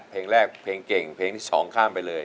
เพลงแรกเพลงเก่งเพลงที่๒ข้ามไปเลย